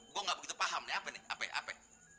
gue gak begitu paham nih apa nih apa apa